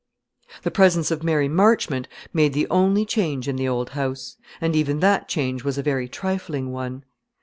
The presence of Mary Marchmont made the only change in the old house; and even that change was a very trifling one.